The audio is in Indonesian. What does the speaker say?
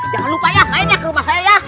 jangan lupa ya main ya ke rumah saya ya